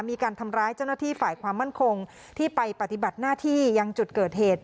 มีการทำร้ายเจ้าหน้าที่ฝ่ายความมั่นคงที่ไปปฏิบัติหน้าที่ยังจุดเกิดเหตุ